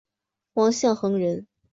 王象恒人。